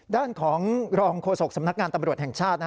ด้านของรองโฆษกสำนักงานตำรวจแห่งชาติ